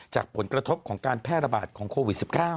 จากผลกระทบของการแพร่ระบาดของโควิด๑๙